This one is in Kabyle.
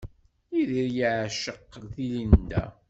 Yidir yeɛceq di Linda.